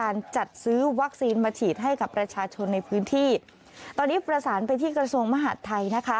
รีบประสานไปที่กระทรวงมหาธัย